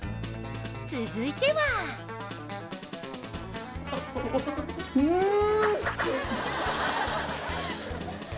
続いてはうん！